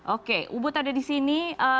oke ubud ada di sini